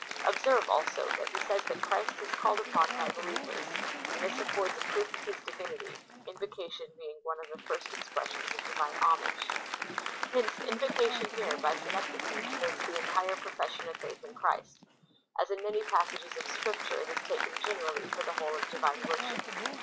Observe, also, that he says that Christ is called upon by believers, and this affords a proof of his divinity — invocation being one of the first ex pressions of Divine homage. Hence invocation here by synecdoche^ {Kara o we/cSo^^r]!/) denotes the entire profession of faith in Christ, as in many passages of Scripture it is taken generally for the whole of Divine worship.